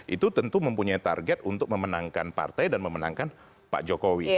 itu tentu mempunyai target untuk memenangkan partai dan memenangkan pak jokowi